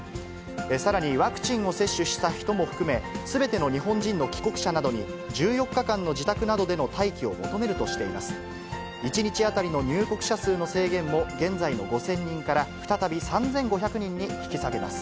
さらにワクチンを接種した人も含め、すべての日本人の帰国者などに、１４日間の自宅などでの待機を求めるとしています。